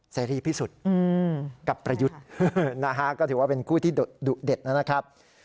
เสรีพิสุทธิ์กับประยุทธ์นะฮะก็ถือว่าเป็นคู่ที่ดุเด็ดนะครับ